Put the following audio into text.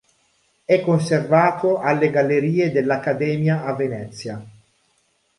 È conservato alle Gallerie dell'Accademia a Venezia.